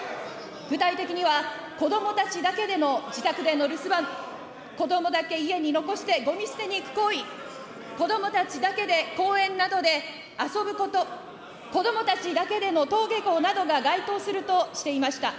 具体的には、子どもたちだけでの自宅での留守番、子どもだけ家に残してごみ捨てに行く行為、子どもたちだけで公園などで遊ぶこと、子どもたちだけでの登下校などが該当するとしていました。